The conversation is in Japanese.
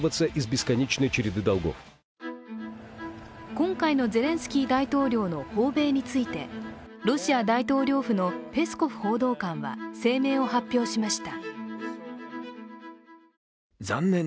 今回のゼレンスキー大統領の訪米についてロシア大統領府のペスコフ報道官は声明を発表しました。